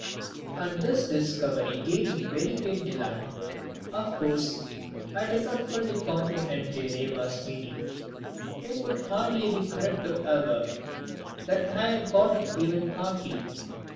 And this discovery gave me very great delight. Of course I did not fully comprehend Jayadeva's meaning. It would hardly be correct to aver that I had got it even partly.